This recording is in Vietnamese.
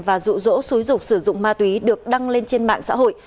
và rụ rỗ xúi dục sử dụng ma túy được đăng lên trên mạng xã hội